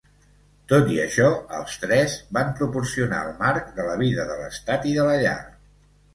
Tot i això, els tres van proporcionar el marc de la vida de l'estat i de la llar.